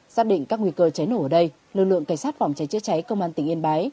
xác định các nguy cơ cháy nổ ở đây lực lượng cảnh sát phòng cháy chữa cháy công an tỉnh yên bái